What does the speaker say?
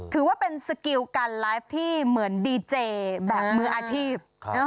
ถือว่าเป็นสกิลการไลฟ์ที่เหมือนดีเจแบบมืออาชีพ